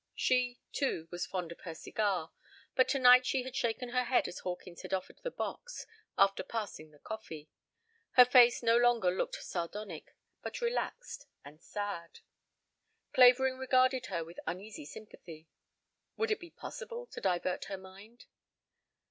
She, too, was fond of her cigar, but tonight she had shaken her head as Hawkins had offered the box, after passing the coffee. Her face no longer looked sardonic, but relaxed and sad. Clavering regarded her with uneasy sympathy. Would it be possible to divert her mind?